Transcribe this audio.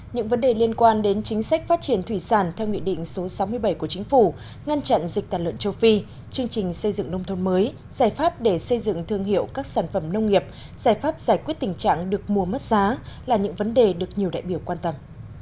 những vấn đề liên quan đến chính sách phát triển thủy sản theo nghị định số sáu mươi bảy của chính phủ ngăn chặn dịch tàn lợn châu phi chương trình xây dựng nông thôn mới giải pháp để xây dựng thương hiệu các sản phẩm nông nghiệp giải pháp giải quyết tình trạng được mua mất giá là những vấn đề được nhiều đại biểu quan tâm